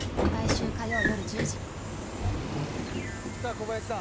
小林さん